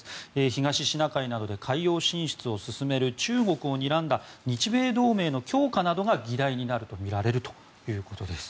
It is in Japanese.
東シナ海などで海洋進出を強める中国をにらんだ日米同盟の強化などが議題になるとみられるということです。